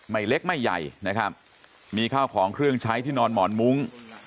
เล็กไม่ใหญ่นะครับมีข้าวของเครื่องใช้ที่นอนหมอนมุ้ง